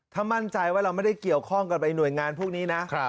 ถ้ามั่นใจว่าเราไม่ได้เกี่ยวข้องกับไอ้หน่วยงานพวกนี้นะ